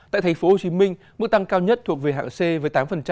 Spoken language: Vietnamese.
tại tp hcm mức tăng cao nhất thuộc về hạng c với tám